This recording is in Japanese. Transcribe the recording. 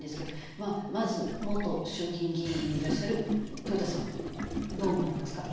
まあまず元衆議院議員でいらっしゃる豊田さんどう思われますか？